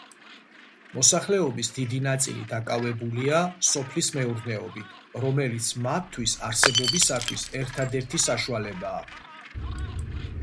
მოსახლეობის დიდი ნაწილი დაკავებულია სოფლის მეურნეობით, რომელიც მათთვის არსებობისათვის ერთადერთი საშუალებაა.